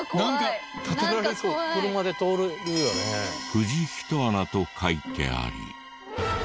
「富士人穴」と書いてあり。